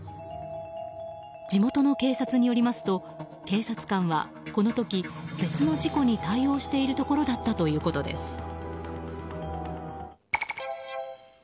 地元の警察によりますと警察官は、この時別の事故に対応しているところだったということです。